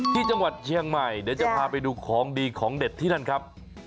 ที่จังหวัดเชียงใหม่เดี๋ยวจะพาไปดูของดีของเด็ดที่นั่นครับ